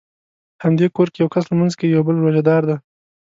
همدې کور کې یو کس لمونځ کوي او بل روژه دار دی.